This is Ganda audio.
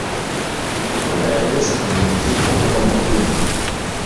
omuganda yawesanga ebijiiko okva mu byuuma